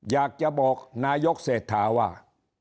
อยากจะบอกนายกเศรษฐาว่า